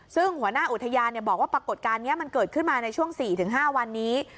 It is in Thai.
ซึ่งหัวหน้าอุทยานเนี่ยบอกว่าปรากฏการณ์เนี้ยมันเกิดขึ้นมาในช่วงสี่ถึงห้าวันนี้